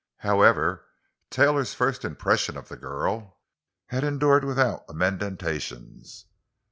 However, Taylor's first impressions of the girl had endured without amendations.